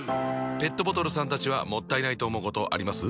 ペットボトルさんたちはもったいないと思うことあります？